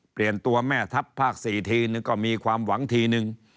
เปลี่ยนตัวแม่ทัพภาค๔ทีนึงก็มีความหวังทีนึง